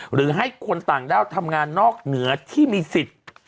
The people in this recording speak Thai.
หรือให้คนต่างด้าวทำงานนอกเหนือที่มีสิทธิ์